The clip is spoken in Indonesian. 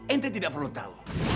entah tidak perlu tau